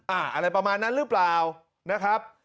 อะไรประมาณนั้นหรือเปล่านะครับ